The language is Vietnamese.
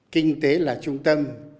kinh tế là trung tâm